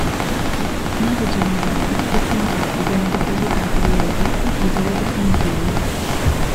Nove giorni dopo, il contratto viene depositato in Lega a titolo definitivo.